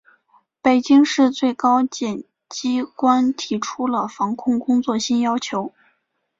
北京市、最高检机关提出了防控工作新要求